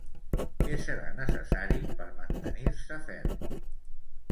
Què serà necessari per mantenir-se ferm?